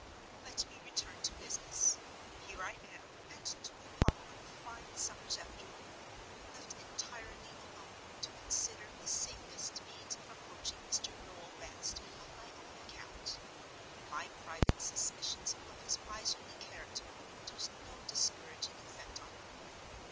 Let me return to business. Here I am, at two o'clock on a fine summer's afternoon, left entirely alone, to consider the safest means of approaching Mr. Noel Vanstone on my own account. My private suspicions of his miserly character produce no discouraging effect on me.